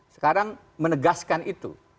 sekarang menegaskan itu